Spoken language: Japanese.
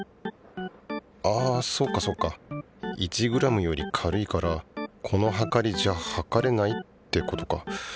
あそうかそうか１ｇより軽いからこのはかりじゃはかれないってことか。